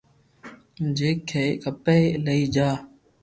جي کپي لئي جا